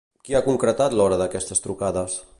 Qui ha concretat l'hora d'aquestes trucades?